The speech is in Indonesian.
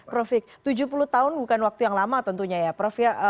prof fik tujuh puluh tahun bukan waktu yang lama tentunya ya prof ya